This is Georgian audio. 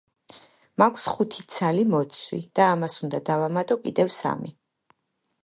მაქვს ხუთი ცალი მოცვი და ამას უნდა დავამატო კიდევ სამი.